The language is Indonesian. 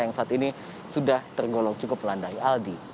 yang saat ini sudah tergolong cukup landai aldi